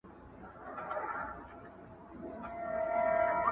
خو کيسه نه ختمېږي هېڅکله.